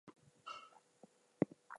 But patriotic concerns won the day.